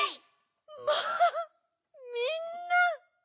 まあみんな！